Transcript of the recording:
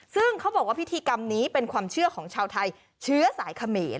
ซึ่งเขาบอกว่าพิธีกรรมนี้เป็นความเชื่อของชาวไทยเชื้อสายเขมร